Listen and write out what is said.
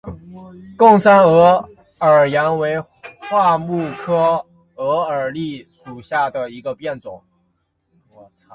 贡山鹅耳杨为桦木科鹅耳枥属下的一个变种。